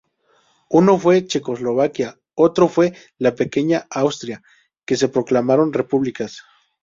Uno fue Checoslovaquia, otro fue la pequeña Austria, que se proclamaron repúblicas.